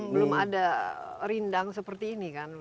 belum ada rindang seperti ini kan